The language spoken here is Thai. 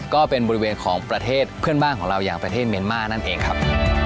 ก็เป็นบริเวณของประเทศเพื่อนบ้านของเราอย่างประเทศเมียนมาร์นั่นเองครับ